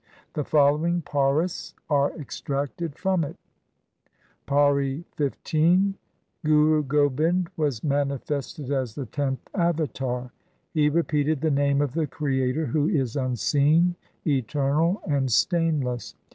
The following pauris are extracted from it :— Pauri 15 Guru Gobind was manifested as the tenth avatar. He repeated the name of the Creator who is unseen, eternal, and stainless.